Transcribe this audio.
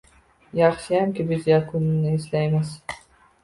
Yaxshiyamki, biz Yakunini eslaymiz